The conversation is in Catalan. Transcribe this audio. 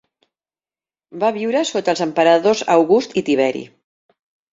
Va viure sota els emperadors August i Tiberi.